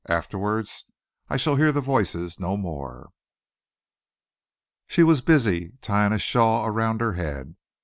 Afterwards, I shall hear the voices no more." She was busy tying a shawl around her head.